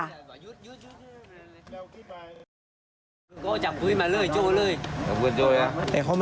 หยุดเด็กด้วย